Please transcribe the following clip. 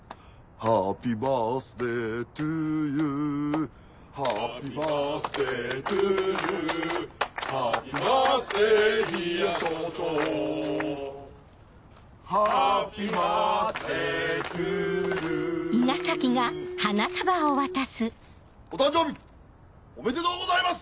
ハッピーバースデートゥーユーお誕生日おめでとうございます！